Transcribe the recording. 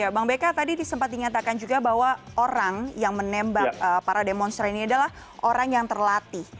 bang beka tadi sempat dinyatakan juga bahwa orang yang menembak para demonstran ini adalah orang yang terlatih